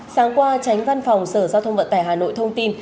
sáng qua tránh văn phòng sở giao thông vận tải hà nội thông tin